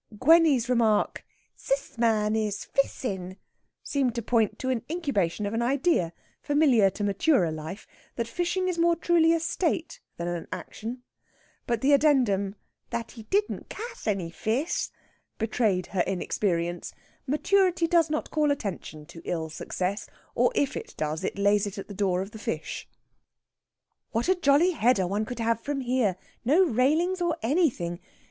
Gwenny's remark, "Ze man is fissin'," seemed to point to an incubation of an idea, familiar to maturer life, that fishing is more truly a state than an action. But the addendum that he didn't cass any fiss betrayed her inexperience. Maturity does not call attention to ill success; or, if it does, it lays it at the door of the fish. "What a jolly header one could have from here! No railings or anything.